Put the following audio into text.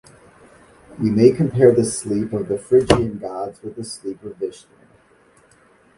We may compare the sleep of the Phrygian gods with the sleep of Vishnu.